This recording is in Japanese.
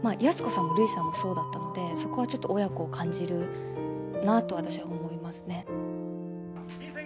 安子さんもるいさんもそうだったのでそこはちょっと親子を感じるなと私は思いますね。